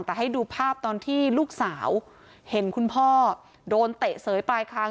แต่ให้ดูภาพตอนที่ลูกสาวเห็นคุณพ่อโดนเตะเสยปลายคาง